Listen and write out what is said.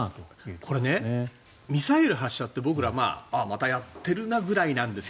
これ、ミサイル発射って僕ら、またやってるなぐらいなんですよ。